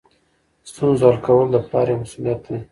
ستونزو حل کول د پلار یوه مسؤلیت ده.